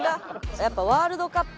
やっぱワールドカップ。